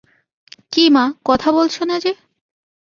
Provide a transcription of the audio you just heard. কি মা, কথা বলছ না যে?